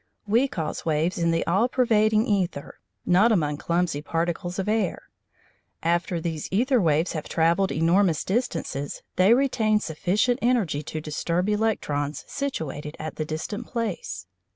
We cause waves in the all pervading æther, not among clumsy particles of air. After these æther waves have travelled enormous distances they retain sufficient energy to disturb electrons situated at the distant place.